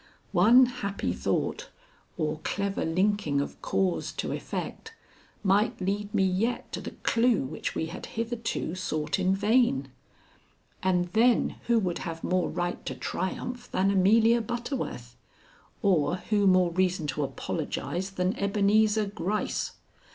One happy thought, or clever linking of cause to effect, might lead me yet to the clue which we had hitherto sought in vain. And then who would have more right to triumph than Amelia Butterworth, or who more reason to apologize than Ebenezar Gryce!